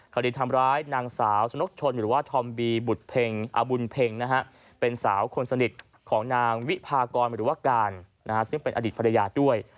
คดีทำร้ายนางสาวชนกชนหรือว่าธอมบีบุตเพ็งอบุญเพ็งนะฮะเป็นสาวคนสนิทของนางวิพากรหรือว่าการซึ่งเป็นอดีตภรรยาด้วย